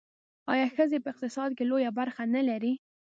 آیا ښځې په اقتصاد کې لویه برخه نلري؟